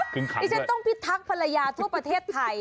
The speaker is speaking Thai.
ดิฉันต้องพิทักษ์ภรรยาทั่วประเทศไทย